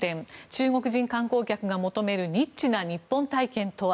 中国人観光客が求めるニッチな日本体験とは。